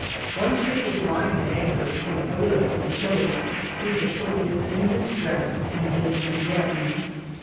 One ship was lying at anchor, a whaler from Chili, which had put in in distress and been condemned.